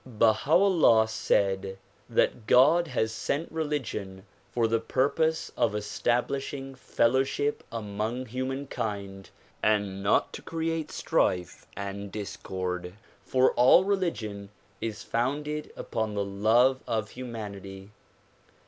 Baha 'Ullah said that God has sent religion for the purpose of establishing fellowship among humankind and not to create strife and discord, for all religion is founded upon the love of humanity.